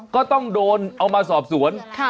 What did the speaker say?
ก็ต้องโดนเอามาสอบสวน